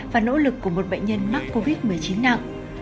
và nỗ lực của một bệnh nhân mắc covid một mươi chín nặng